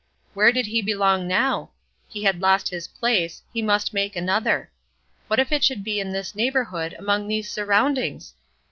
Where did he belong now? He had lost his place; he must make another. What if it should be in this neighborhood, among these surroundings?